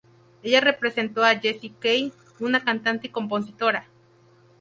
Ella representó a Jessie Caine, una cantante y compositora.